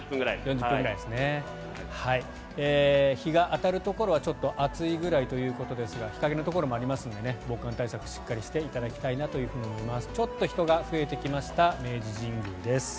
日が当たるところはちょっと暑いぐらいということですが日陰のところもありますので防寒対策しっかりしていただきたいと思います。